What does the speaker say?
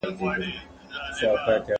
هغه وويل چي مطالعه کول مهم دي..